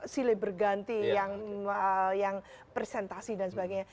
silih berganti yang presentasi dan sebagainya